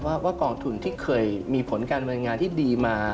ว่ากองทุนที่เคยมีผลการบริงานที่ดีมา